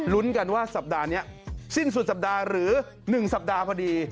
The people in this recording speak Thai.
กันว่าสัปดาห์นี้สิ้นสุดสัปดาห์หรือ๑สัปดาห์พอดี